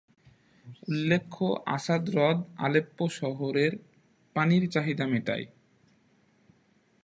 উল্লেখ্য, আসাদ হ্রদ আলেপ্পো শহরের পানির চাহিদা মেটায়।